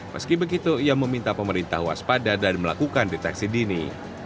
meski begitu ia meminta pemerintah waspada dan melakukan deteksi dini